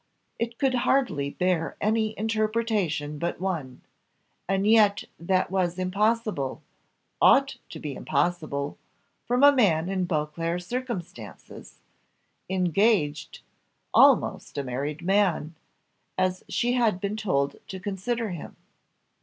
It could hardly bear any interpretation but one and yet that was impossible ought to be impossible from a man in Beauclerc's circumstances engaged almost a married man, as she had been told to consider him.